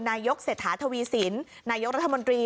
นายกเศรษฐาทวีสินนายกรัฐมนตรี